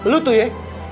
lu tuh ya